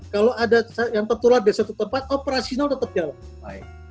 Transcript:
kalau ada yang tertular di suatu tempat operasional tetap jalan